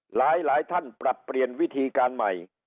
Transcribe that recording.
หลายท่านปรับเปลี่ยนวิธีการใหม่